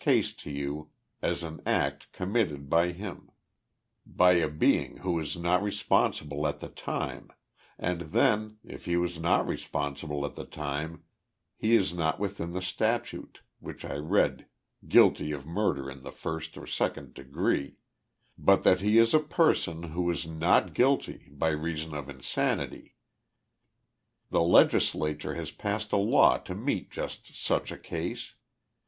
case to you as an act committed by him ; by a being, who was not reponsible at the time, and, then, if lie was not responsible at the time, he is not within the statute, which I read, guilty of murder in the first or second degree; but that he is a person , who is not guilty by reason of insanity. The legislature has passed a law to meet just such a case.